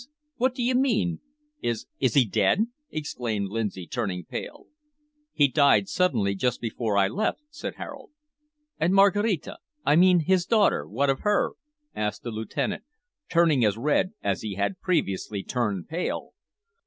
What do you mean? Is is he dead?" exclaimed Lindsay, turning pale. "He died suddenly just before I left," said Harold. "And Maraquita I mean his daughter what of her?" asked the lieutenant, turning as red as he had previously turned pale.